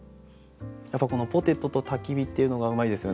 やっぱこの「ポテト」と「焚き火」っていうのがうまいですよね。